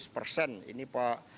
seratus persen ini pak